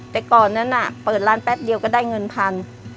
แต่ก่อนนั้นเปิดร้านแป๊บเดียวก็ได้เงินพัน